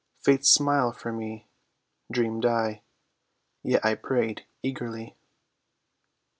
Fates smile for me, dreamed I— Yet I prayed eagerly.